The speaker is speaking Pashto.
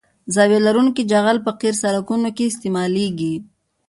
زاویه لرونکی جغل په قیر سرکونو کې استعمالیږي